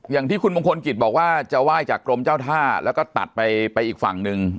อย่างที่คุณมงคลกิจบอกว่าจะไหว้จากกรมเจ้าท่าแล้วก็ตัดไปไปอีกฝั่งหนึ่ง